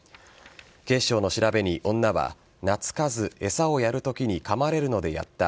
警視庁の調べに、女は懐かず餌をやるときにかまれるのでやった。